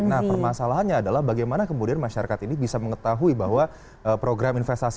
nah permasalahannya adalah bagaimana kemudian masyarakat ini bisa mengetahui bahwa program investasi